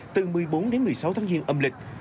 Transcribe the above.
từ một mươi bốn đến một mươi sáu tháng riêng âm lịch